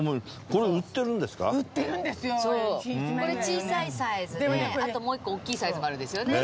これ小さいサイズであともう１個大きいサイズもあるんですよね。